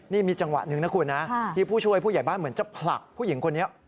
นี่มีจังหวะหนึ่งนะคุณนะที่ผู้ช่วยผู้ใหญ่บ้านเหมือนจะผลักผู้หญิงคนนี้